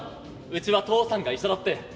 うちは父さんが医者だって。